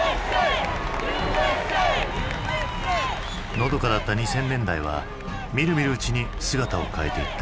のどかだった２０００年代はみるみるうちに姿を変えていった。